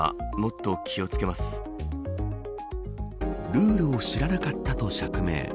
ルールを知らなかったと釈明。